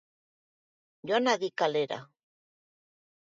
joan hadi kalera!